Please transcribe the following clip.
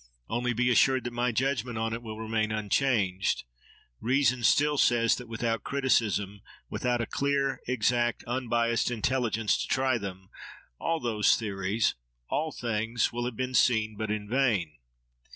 Only, be assured that my judgment on it will remain unchanged. Reason still says, that without criticism, without a clear, exact, unbiassed intelligence to try them, all those theories—all things—will have been seen but in vain.